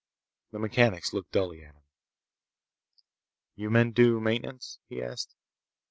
The mechanics looked dully at him. "You men do maintenance?" he asked.